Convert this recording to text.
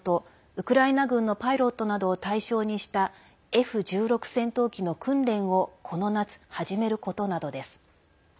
ウクライナ軍のパイロットなどを対象にしたＦ１６戦闘機の訓練をこの夏始めることなどです。